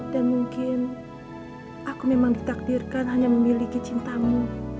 dan mungkin aku memang ditakdirkan hanya memiliki cintamu